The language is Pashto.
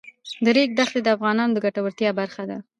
د ریګ دښتې د افغانانو د ګټورتیا برخه ده.